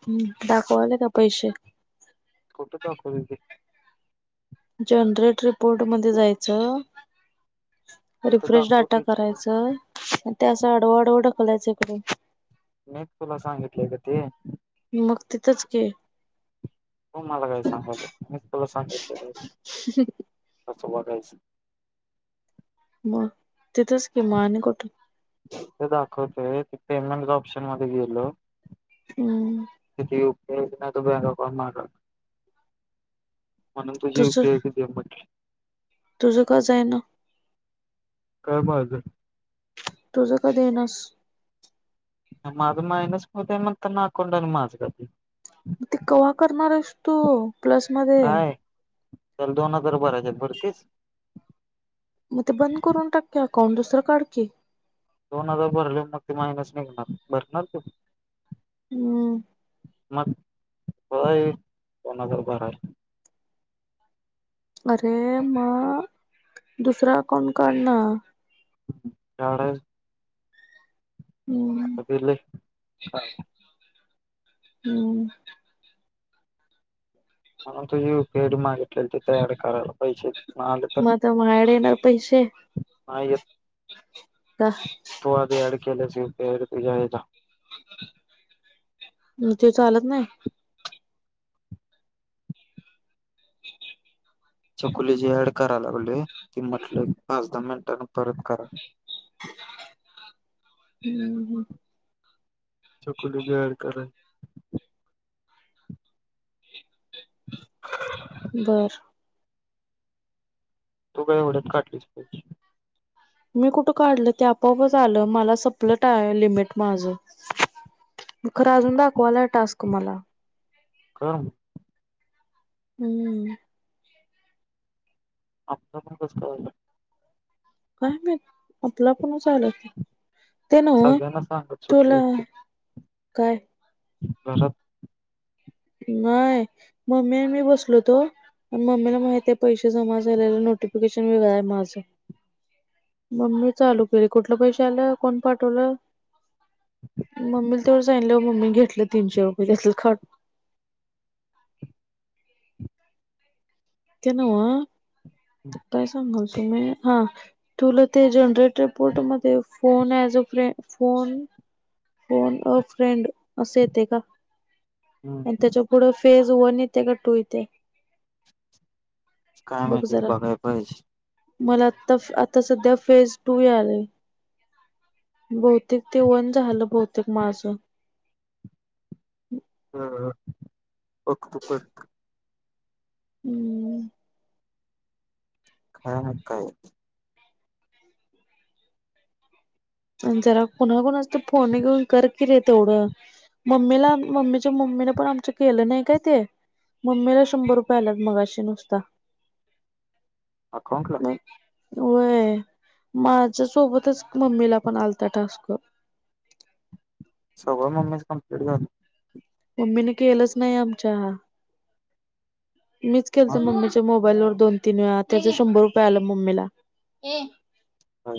[inaudible] दाखवले का पैसे? कुठ दाखवली ती? जनरेट रिपोर्टमध्ये जायचं तिथं रिफ्रेश डाटा दाखवतेच करायचं ते असं आडवा आडव ढकलायचं इकडे मी तुला सांगितलेय का ते मग तिथच के तू मला काही सांगायला मी तुला सांगितलय कसं वागायचं म तिथंच किमान कुठं ते दाखवतोय ते पेमेंटच ऑप्शन मध्ये गेलं. हम्म तिथं यीऊ तेच नाय तं [unintelligible] म्हणून तुझी तुझ डेट दे म्हटलं. तुझं कसं आहे ना काय माझं तुझं कधीये नस माझं मायनस होतय म्हणताना [unintelligible] ते कव्हा करणार आहेस तु प्लस मध्ये बरं दोन हजार बरायच्यात भरतीस मग ते बंद करून टाक की अकाउंट दुसरं काढ की दोन हजार भरले मग ते मायनस निघणार भरणार तू हम्म मग होय दोन हजार भराय अरे म दुसरा अकाउंट काढ ना. झाडं हम्म आता तर लय काम हम्म- म्हणून तर, यू पि आय मागितलं तयार करायला. पैसे नाय आले तर? मग आता माझ्याकडे येणार पैसे हा येत का तू आधी ऍड केलेल पेड तुझे आले का? हम ते चालत नाय? चकुली जी ऍड करा लागल रे, ती म्हटली पाच दहा मिनटांनी परत करा. हम हम. चकुली बी ॲड करेल. बर तू काध डत [unintelligible] काठलीस पाहिजे. मी कुठं काढलं ते आपोआप आलं, मला संपलं आहे लिमिट माझं खर अजून दाखवाला टास्क मला. काम हम. आपलं म कस कलाल? काय माहिती कुठला पण नाय चालत. ते ना वह सगळ्यांना सांगत सुटले तुला काय? परत नाय मम्मी आणि मी बसलो होतो. पण मम्मीला माहित आहे पैसे जमा झालेले नोटिफिकेशन वेगळं आहे माझं. मम्मी मी चालू केले कुठलं पैसे आलं कोण पाठवलं? मम्मीला तेवढ सांगितलं मम्मी घेतलं तीनशे रुपये त्यातलं काडून ते नाव काय सांग? हा तुला ते जनरेटपोर्ट मध्ये फोन अज friend phone phone off friend असे येते का? आणि हम्म त्याच्या पुढं फेज वन येते का टू येते? काय बघ माहिती जरा बघाय पाहिजे. मला आता आता सध्या फेज टू आले. बहुतेक ते वन झालं बहुतेक माझं. बघा तू कर. हम्म. काय मग काय? आणि जरा कुणाकुणाच तर फोन घेऊन कर की रे तेवढं. मम्मीला मम्मीच्या मम्मीला पण आमचं केलं नाय काय ते मम्मीला शंभर रुपये आलेत मगाशी नुसता. अकाउंटला? व्हय सोबतच माझ्या सोबतच मम्मीला हा आलता टास्क. सगळं मम्मीच कम्प्लीट झालं. मम्मीने केलंच नाही आमच्या. मीच केलत मग मम्मीचा मोबाईल वरून. दोन तीन वेळा त्याच शंभर रुपये आलं मम्मीला. हाय.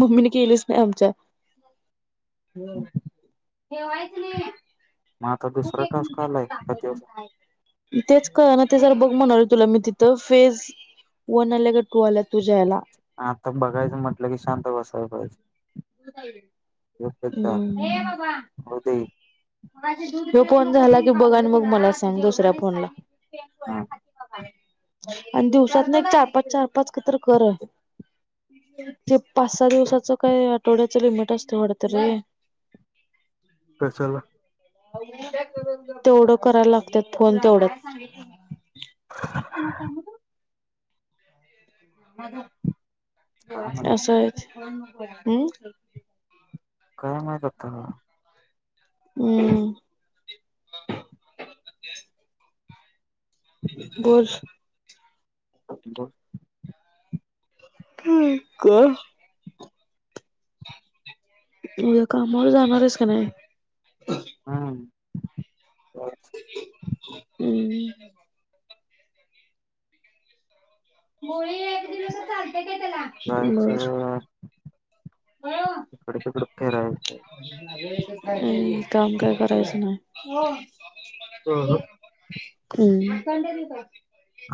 मम्मीने केलीच नाय आमच्या. ठेवायचे आता कठ दुसरा एक टास्क मिनट आलाय किती वाजता दाखव? [unintelligible] तेच कळना ना ते जरा बघ म्हणाले तुला मी तिथ फेज वन अल की टू अला तूझायला? आता बघायच म्हटलं की शांत बसायला पाहिजे. [unintelligible] ह फोन झाला कि बघ आणि मग मला सांग दुसऱ्या फोन ला हा आणि दिवसात नाही चार पाच चार पाच क तर कर ते पाच सहा दिवसाच काय आठवड्याच लिमिट असतं वाट रे कशाला तेवढं करायला लागतात फोन तेवढं [inaudible] काय म्हणत असस हमम काय माहित आता हम् बोल बस [unintelligible] उद्या कामावर जाणार आहेस का नाही हम् हम्म मुळी एक दिवस जायच इकडे तिकड फिरायचं काम काय करायचं नाही आहा हम्म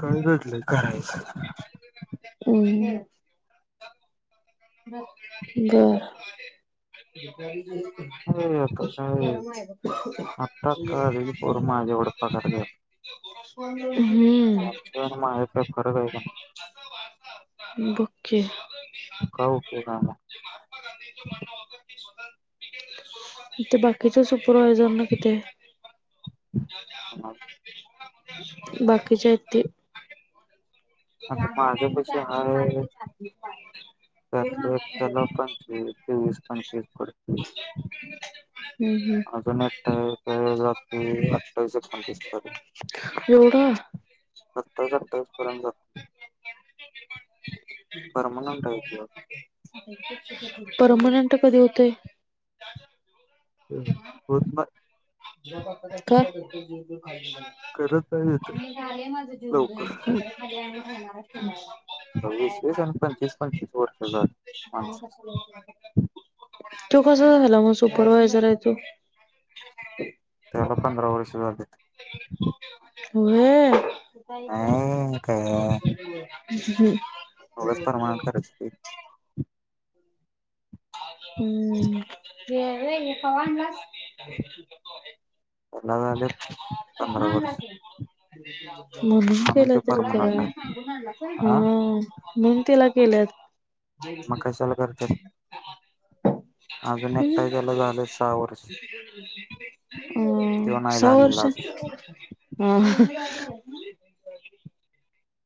काय नडले करायचं हम् बर आता काय आत्ता आत्ता आलेली पोर माझी एवढा पगार [inaudible] हम्म त्यांच माझ काय फर आहे का ना हॉकी काय उपयोग आहे मग ते बाकीचा सुपरवायझर ना किती आहे मग बाकीचे हाई ते आता माझ्या पैसे हाय [unintelligible] त्यातलं एकट्याला पंचवीस तेवीस पंचवीस पडतील [unintelligible] हम् अजून एकट रात्री आठवीस एकोणतीस पर्यंत एवढा सत्तावीस अठ्ठावीस पर्यंत जो परमानंट आहे त्यो परमनंट कधी होतोय हो होत करत नाही [inaudible] येत लवकर [unintelligible] वर्ष झालं माणसं तू कस झाला मग सुपरवा्हायझर आहे तो त्याला पंधरा वर्ष झाले काय होई उगाच परमनंट करते तुम्ही [inaudible] त्याला झालेत पंधरा वर्षे म्हणून केलं त्याला परमनंट आहे काही हा म्हणून तिला केल्यात मग कशाला करते. अजून एकटा केलं झालं साव त्यो हम नाही सहा झालेला वर्ष अजून ह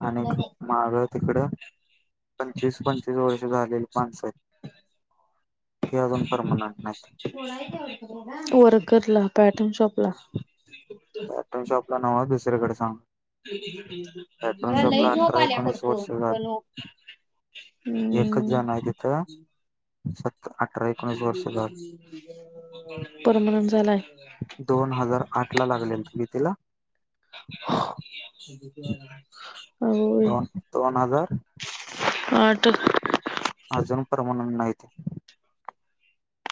आणि माग तिकडं पंचवीस पंचवीस वर्ष झालेली माणसा परमनंट नाहीत [inaudible] वर घला पट तून सोपला. पॅटन शॉप ला नाव दुसरीकडे सांग पॅटर्न मला शॉपला लई झोप अठरा आल्या एकोणीस पडतो, वर्ष झाली बनू एकच हम्म जण आहे तिथं सत अठरा एकोणीस वर्ष झाली परमनंट झालाय. दोन हजार आठ ला लागलेल तुम्ही तिला हो. दोन-दोन हजार आठ अजून परमनंट नाही ते,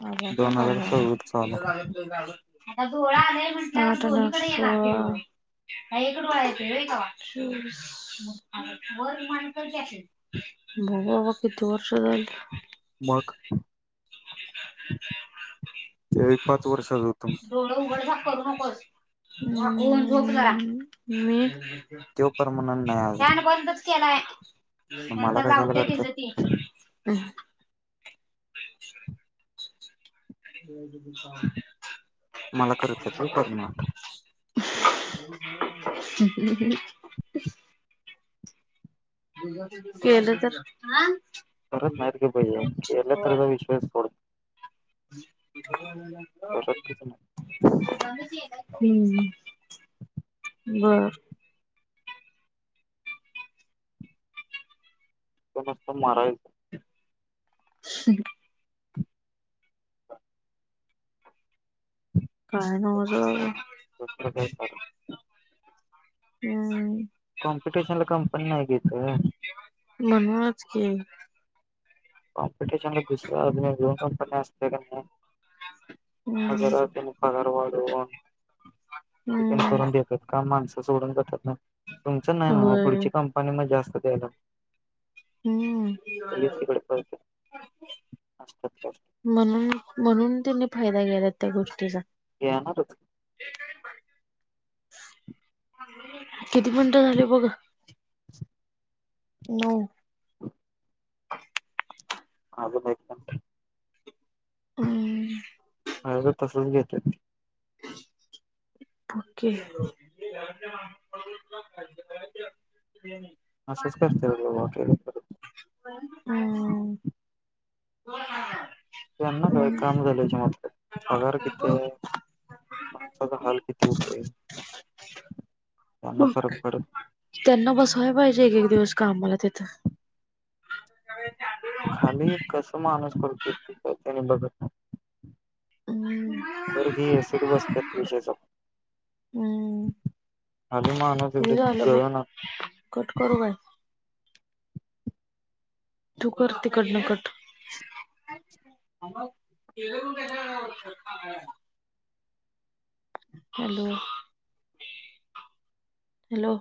माझ्या काय दोन हजार सव्वीस चालू आहे करण [inaudible] आ म्हण चछ [inaudible] एककड वायचय का व मा [inaudible] बघू बाबा कती वर्ष झालं. मग त्या एक पाच वर्ष डोळे उघड झाक करू नकोस. झोप [inaudible] मी तो परमनंट नही अजून केलाय मला नंतर कशाला लावतेय तिझ करत्यात ती हम मला ज करत्यात व्हय परमनंट [inaudible] ह् केलं तर. करत नाही का भय केल्या त विश्वास [inaudible] करतच -हम्म. बर. पत मारायच. स काय न होज [inaudible] दुसरं काय कार [inaudible] हम्म कॉम्पिटिशन ला कम पण नाही गेत. म्हणूनच की कॉम्पिटिशन ला दुसर आन कंपनी असते का नाही. हम्म जराने पगार वाढून तिकण हम्म करून देतात का माणसा सोडून बत ना तुमचं नाही ना होय पुढची कंपनी मज असत यायला. हम्म असतात काय म्हणून म्हणून त्यांनी फायदा [inaudible] घे नारच किती मिनटं झाले बघ. नऊ. अजून एक मिनिट हम् अ तसच घेते. ओके. असंच करतात बाबा केलं तर. हम्म.... कोण काढणार... त्यांना काय काम झाल्याशी मतलब पगार कितीे... माणसाचा हाल किती हुतय.. त्यांना बसवाय पाहिजे एक एक दिवस काम मला तिथं... खाली कसं माणूस करतोय त्यानी बघत... हम्म तर ही ए सी त बसत्यात विषय हम्म संपला.... खाली मानू किती एवडे झालं ज बघ ना... कट करू काय तू कर तिकडनं कट... हा मग... हॅलो.. हॅलो...